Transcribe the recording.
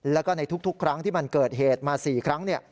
แล้วก็ในทุกครั้งที่มันเกิดเหตุมา๔ครั้ง